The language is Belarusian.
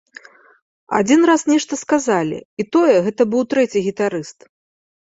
Адзін раз нешта сказалі, і тое, гэта быў трэці гітарыст.